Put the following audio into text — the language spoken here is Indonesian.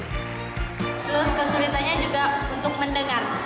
terus kesulitannya juga untuk mendengar